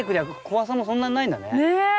怖さもそんなにないんだね。